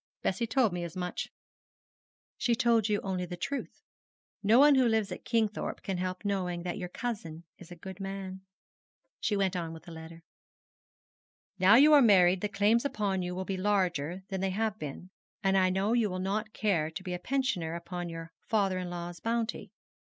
'Bessie told me as much.' 'She told you only the truth. No one who lives at Kingthorpe can help knowing that your cousin is a good man.' She went on with the letter. 'Now you are married the claims upon you will be larger than they have been, and I know you will not care to be a pensioner upon your father in law's bounty.